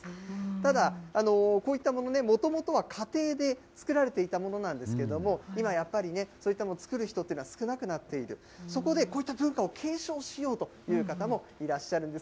ただ、こういったものね、もともとは家庭で作られていたものなんですけれども、今やっぱりね、そういったものを作る人っていうのは少なくなっている、そこでこういった文化を継承しようという方もいらっしゃるんです。